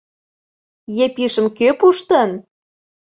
Епишым кӧ пуштым?